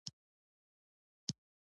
دا چې اسلامي طب ولرو.